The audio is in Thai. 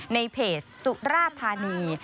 ในเพจสุราธานี